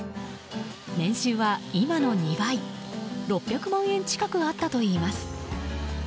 年収は今の２倍６００万円近くあったといいます。